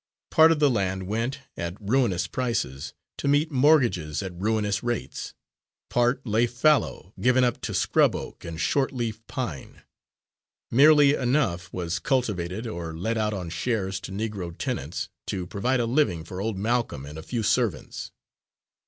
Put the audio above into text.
Part of the land went, at ruinous prices, to meet mortgages at ruinous rates; part lay fallow, given up to scrub oak and short leaf pine; merely enough was cultivated, or let out on shares to Negro tenants, to provide a living for old Malcolm and a few servants.